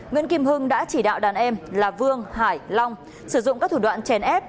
nguyễn kim hưng đã chỉ đạo đàn em là vương hải long sử dụng các thủ đoạn chèn ép